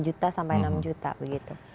satu juta sampai enam juta begitu